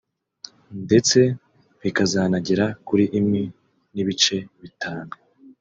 ndetse bikazanagera kuri imwe n’ibice bitanu